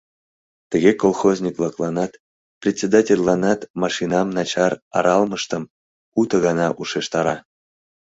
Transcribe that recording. Тыге колхозник-влакланат, председательланат машинам начар аралымыштым уто гана ушештара.